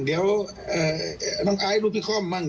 เดี๋ยวน้องไอล์รูปภี่คอมมั้ง